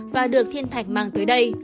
và được thiên thạch mang tới đây